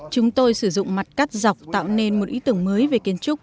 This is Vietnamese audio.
chúng tôi sử dụng mặt cắt dọc tạo nên một ý tưởng mới về kiến trúc